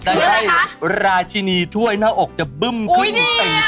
ทำให้ราชินีถ้วยหน้าอกจะบึ้มขึ้นตี